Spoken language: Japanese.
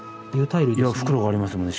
袋がありますもんね